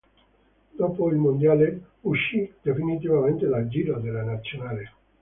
Dopo il mondiale uscì definitivamente dal giro della nazionale.